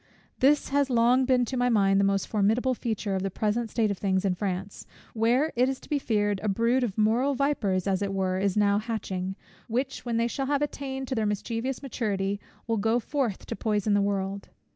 This has long been to my mind the most formidable feature of the present state of things in France; where, it is to be feared, a brood of moral vipers, as it were, is now hatching, which, when they shall have attained to their mischievous maturity, will go forth to poison the world.